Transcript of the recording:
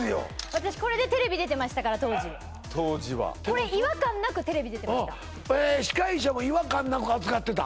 私これでテレビ出てましたから当時当時はこれ違和感なくテレビ出てました司会者も違和感なく扱ってた？